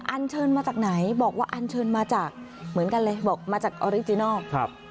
อันเชิญมาจากไหนบอกว่าอันเชิญมาจากออริจินัล